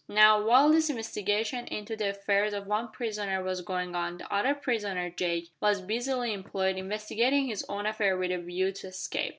Now, while this investigation into the affairs of one prisoner was going on, the other prisoner, Jake, was busily employed investigating his own affairs with a view to escape.